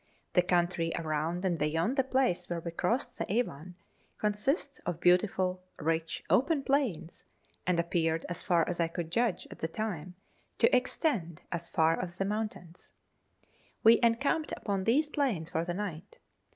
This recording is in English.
The country around and beyond the place where we crossed the Avon consists of beautiful, rich, open plains, and appeared, as far as I could judge at the time, to extend as far as the mountains. We encamped upon these plains for the night.